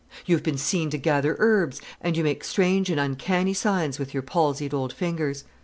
"You have been seen to gather herbs, and you make strange and uncanny signs with your palsied old fingers.